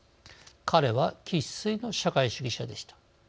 彼は生っ粋の社会主義者でした。